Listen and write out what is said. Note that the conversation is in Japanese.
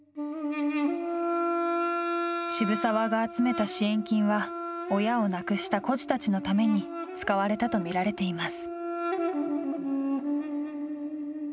渋沢が集めた支援金は親を亡くした孤児たちのために使われたと見られています。